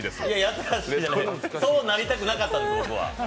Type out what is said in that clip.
そうなりたくなかったですよ、僕は。